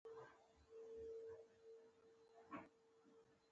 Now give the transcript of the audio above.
هماغه کسانو چې دا لوبه کړې.